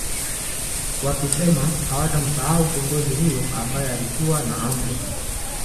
Wakisema hawatamsahau kiongozi huyo ambae alikuwa na Amri